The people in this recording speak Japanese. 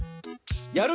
やる